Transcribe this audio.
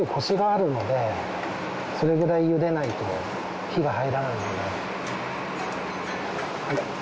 それくらいゆでないと火が入らないので。